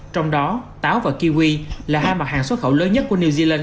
trong đó táo và kiwi là hai mặt hàng xuất khẩu lớn nhất của new zealand